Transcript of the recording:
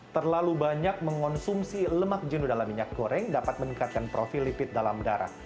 terlalu banyak mengonsumsi lemak jenuh dalam minyak goreng dapat meningkatkan profil lipid dalam darah